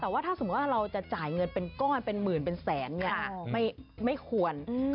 แต่ว่าถ้าสมมุติว่าเราจะจ่ายเงินเป็นก้อนเป็นหมื่นเป็นแสนเนี่ยไม่ควร